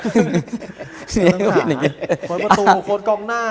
ค้นประตุค้นกล้องหน้า